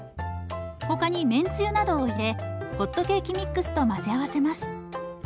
他にめんつゆなどを入れホットケーキミックスと混ぜ合わせます。